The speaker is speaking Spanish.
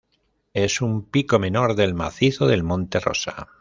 Es un pico menor del macizo del Monte Rosa.